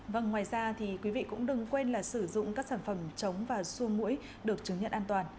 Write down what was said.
vâng ngoài ra thì quý vị cũng đừng quên là sử dụng các sản phẩm chống và xương mũi được chứng nhận an toàn